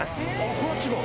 これ違う⁉